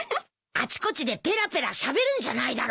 あちこちでぺらぺらしゃべるんじゃないだろうな。